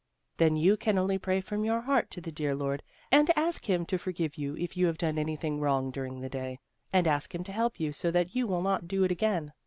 "Then you can only pray from your heart to the dear Lord, and ask Him to forgive you if you have done anything wrong during the day, and ask Him to help you so that you will not do it again.